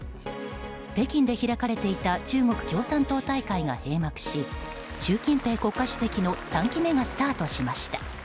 北京で開かれていた中国共産党大会が閉幕し習近平国家主席の３期目がスタートしました。